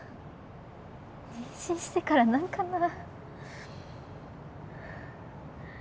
妊娠してから何かな。